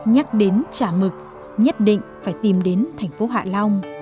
nhắc đến chả mực nhất định phải tìm đến thành phố hạ long